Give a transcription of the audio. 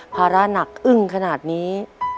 ภาระหนักอึ้งขนาดนี้